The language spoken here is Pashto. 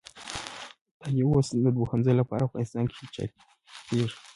دا دی اوس د دوهم ځل له پاره افغانستان کښي چاپېږي.